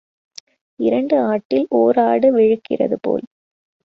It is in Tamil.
இரண்டு ஆட்டில் ஓராடு விழிக்கிறது போல்.